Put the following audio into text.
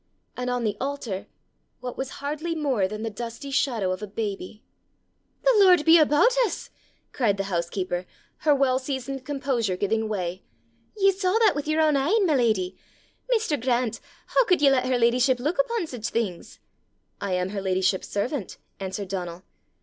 and on the altar what was hardly more than the dusty shadow of a baby?" "The Lord be aboot us!" cried the housekeeper, her well seasoned composure giving way; "ye saw that wi' yer ain e'en, my leddy! Mr. Grant! hoo could ye lat her leddyship luik upo' sic things!" "I am her ladyship's servant," answered Donal.